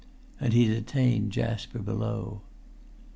And he detained Jasper below.